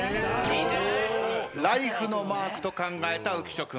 ライフのマークと考えた浮所君。